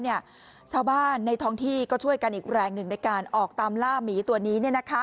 ชาวบ้านในท้องที่ก็ช่วยกันอีกแรงหนึ่งในการออกตามล่าหมีตัวนี้